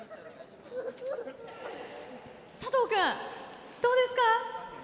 佐藤君どうですか？